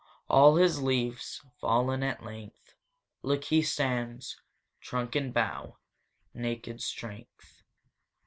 All his leaves Fall'n at length, Look, he stands, Trunk and bough Naked strength.